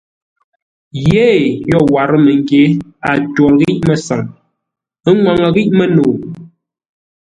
Yee yo warə́ məngyě, ə́ ntwǒr ghíʼ mə́saŋ, ə́ ŋwaŋə́ ghíʼ mə́nəu ?